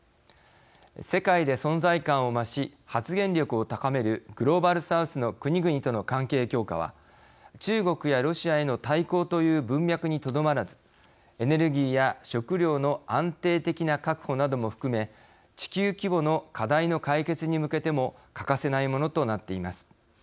世界で存在感を増し発言力を高めるグローバル・サウスの国々との関係強化は中国やロシアへの対抗という文脈にとどまらずエネルギーや食料の安定的な確保なども含め地球規模の課題の解決に向けても欠かせないものとなっています。